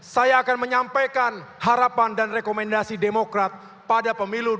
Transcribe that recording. saya akan menyampaikan harapan dan rekomendasi demokrat pada pemilu